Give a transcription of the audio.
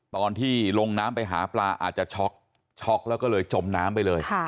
ตอนที่ลงน้ำไปหาปลาอาจจะช็อกช็อกแล้วก็เลยจมน้ำไปเลย